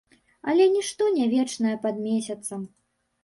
Але нішто не вечнае пад месяцам.